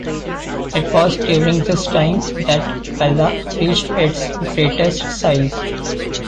It was during this time that Pella reached its greatest size.